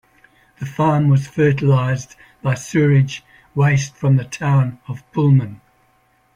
The farm was fertilized by sewage waste from the town of Pullman.